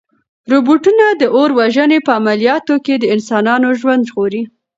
روبوټونه د اور وژنې په عملیاتو کې د انسانانو ژوند ژغوري.